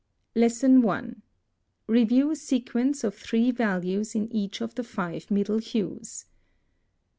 _ 1. Review sequence of three values in each of the five middle hues.